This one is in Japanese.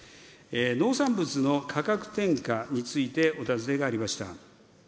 農産物の価格転嫁についてお尋ねがありました。